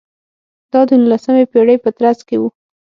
دا د نولسمې پېړۍ په ترڅ کې و.